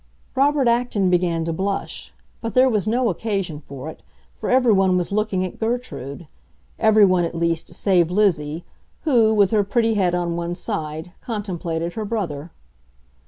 Robert Acton began to blush; but there was no occasion for it, for everyone was looking at Gertrude—everyone, at least, save Lizzie, who, with her pretty head on one side, contemplated her brother.